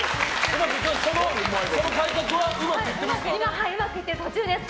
その改革はうまくいってますか？